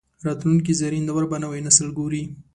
راتلونکي زرین دور به نوی نسل ګوري